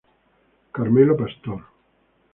Carmelo Pastor"